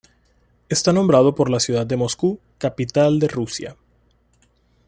Está nombrado por la ciudad de Moscú, capital de Rusia.